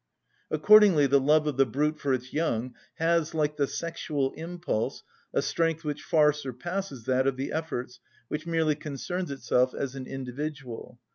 Accordingly the love of the brute for its young has, like the sexual impulse, a strength which far surpasses that of the efforts which merely concerns itself as an individual.